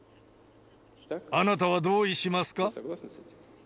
あなたは同意しますか？